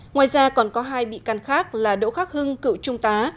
ngoài ra còn có hai bị can khác là đỗ khắc hưng cựu trung tá